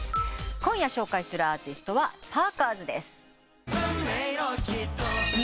今夜紹介するアーティストはパーカーズです。